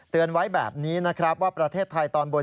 ไว้แบบนี้นะครับว่าประเทศไทยตอนบน